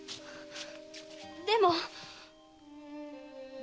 でも！